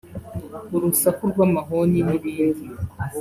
urusaku rw’amahoni n’ibindi